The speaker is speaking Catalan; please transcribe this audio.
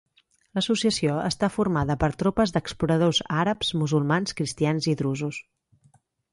L'associació està formada per tropes d'exploradors àrabs, musulmans, cristians i drusos.